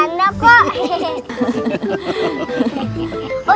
hei mbak soeban